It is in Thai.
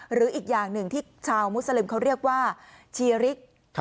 หรืออีกอย่างหนึ่งที่ชาวมุสลิมเขาเรียกว่าชีริก